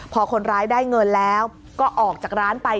พอคนร้ายได้เงินแล้วก็ออกจากร้านไป